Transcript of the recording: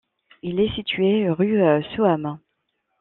Il est situé rue Souham.